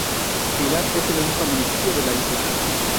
Pilar es el único municipio de la isla.